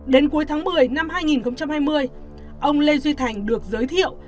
đến cuối tháng một mươi năm hai nghìn hai mươi ông lê duy thành được giới thiệu